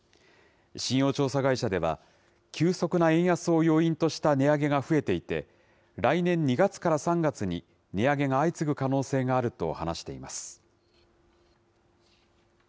信用調査会社では、急速な円安を要因とした値上げが増えていて、来年２月から３月に値上げが相次ぐ可能性があると話しています。